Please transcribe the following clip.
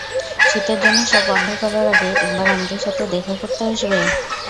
শীতের জন্য সব বন্ধ করার আগে একবার আমাদের সাথে দেখা করতে আসবে?